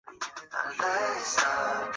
新索尔是秘鲁目前使用的货币。